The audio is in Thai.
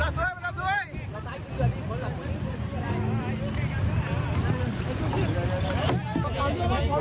ขอเรื่อง